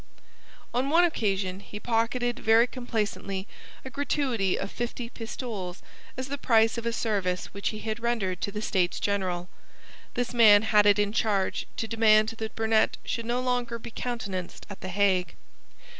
On one occasion he pocketed very complacently a gratuity of fifty pistoles as the price of a service which he had rendered to the States General. This man had it in charge to demand that Burnet should no longer be countenanced at the Hague.